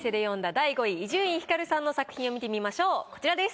第５位伊集院光さんの作品を見てみましょうこちらです。